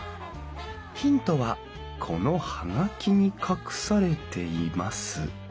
ヒントはこの葉書に隠されています。